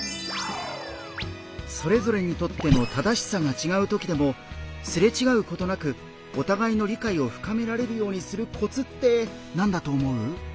それぞれにとっての「正しさ」がちがうときでもすれちがうことなくお互いの理解を深められるようにするコツって何だと思う？